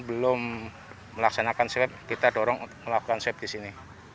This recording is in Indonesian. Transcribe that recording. belum melaksanakan swab kita dorong untuk melakukan swab di sini